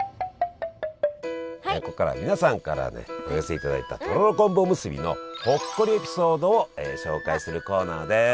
ここからは皆さんからねお寄せいただいたとろろ昆布おむすびのほっこりエピソードを紹介するコーナーです！